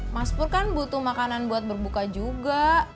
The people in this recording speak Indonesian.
mas pur kan butuh makanan buat berbuka juga